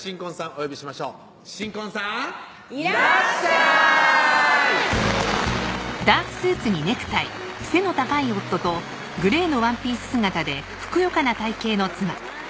お呼びしましょう新婚さんいらっしゃいお座りください